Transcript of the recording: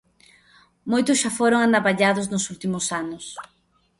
Moitos xa foron anavallados nos últimos anos.